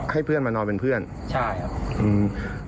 ให้เพื่อนมานอนเป็นเพื่อนใช่ครับอืม